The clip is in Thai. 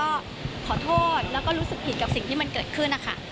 ก็ขอโทษแล้วก็รู้สึกผิดกับสิ่งที่มันเกิดขึ้นนะคะ